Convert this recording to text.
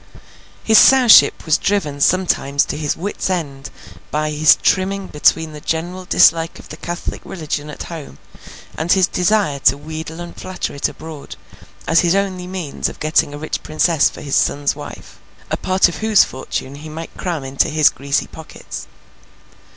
His Sowship was driven sometimes to his wits' end by his trimming between the general dislike of the Catholic religion at home, and his desire to wheedle and flatter it abroad, as his only means of getting a rich princess for his son's wife: a part of whose fortune he might cram into his greasy pockets.